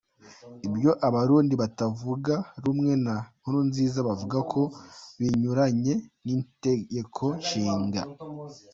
Ibyo abarundi batavuga rumwe na Nkurunziza bavuga ko binyuranyije n’itegeko nshinga.